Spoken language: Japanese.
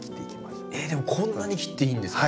えっでもこんなに切っていいんですか？